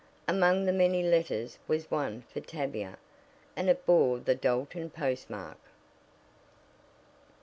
Among the many letters was one for Tavia, and it bore the Dalton postmark.